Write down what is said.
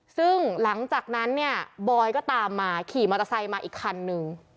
ซึ่งหลังจากนั้นเนี่ยบอยก็ตามมาขี่มอเตอร์ไซค์มาอีกคันนึง